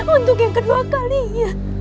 untuk yang kedua kalinya